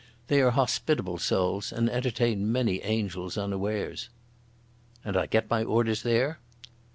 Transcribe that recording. They are hospitable souls and entertain many angels unawares." "And I get my orders there?"